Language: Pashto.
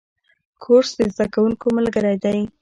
کورس د زده کوونکو ملګری دی.